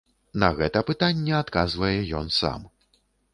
На гэта пытанне адказвае ён сам.